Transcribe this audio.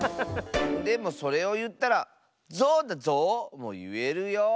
でもそれをいったら「ゾウだゾウ」もいえるよ。